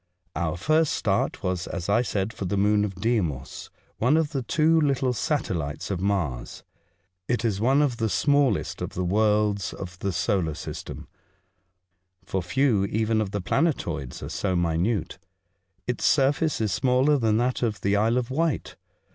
Our first start was, as I said, for the moon of Deimos, one of the two little satelhtes of Mars. It is one of the smallest of the worlds of the solar system, for few even of the plane toids are so minute. Its surface is smaller than that of the Isle of Wight.